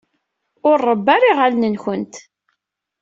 Ur rebbu ara iɣallen-nwent.